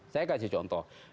saya kasih contoh